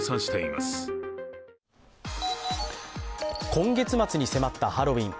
今月末に迫ったハロウィーン。